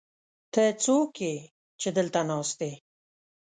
ته څوک يې، چې دلته ناست يې؟